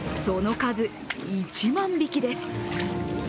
その数、１万匹です。